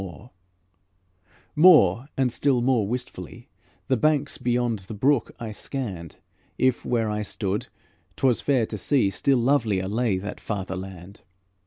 More, and still more wistfully, The banks beyond the brook I scanned; If, where I stood, 't was fair to see, Still lovelier lay that farther land.